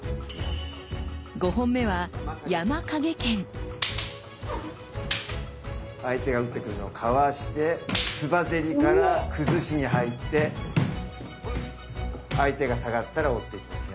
５本目は相手が打ってくるのをかわして鐔ぜりからくずしに入って相手が下がったら追っていきますね。